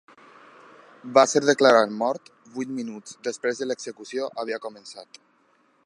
Va ser declarat mort vuit minuts després de l'execució havia començat.